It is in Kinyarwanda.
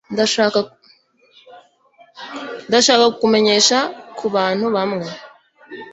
ndashaka kukumenyesha kubantu bamwe